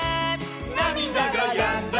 「なみだがやんだら」